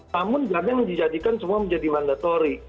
namun jangan dijadikan semua menjadi mandatori